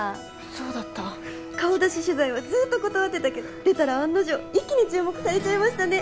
そうだった顔出し取材はずっと断ってたけど出たら案の定一気に注目されちゃいましたね